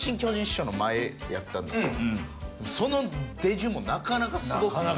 その出順もなかなかすごくて。